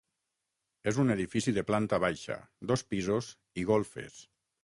És un edifici de planta baixa, dos pisos i golfes.